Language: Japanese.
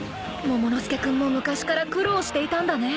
［モモの助君も昔から苦労していたんだね］